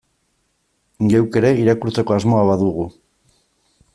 Geuk ere irakurtzeko asmoa badugu.